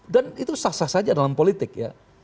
dan itu sah sah saja dalam politik ya